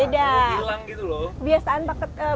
udah hilang gitu loh biasaan